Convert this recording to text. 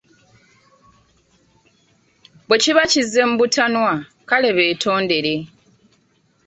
Bwekiba kizze mu butanwa, kale beetondere.